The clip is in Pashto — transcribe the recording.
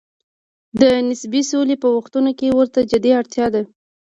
د نسبي سولې په وختونو کې ورته جدي اړتیا ده.